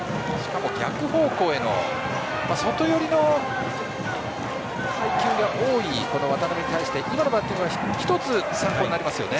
しかも、逆方向への外寄りの配球が多い渡邉に対して今のバッティングは参考になりますね。